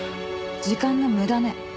時間の無駄ね。